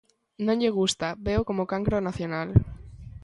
Non lle gusta, veo como o cancro nacional.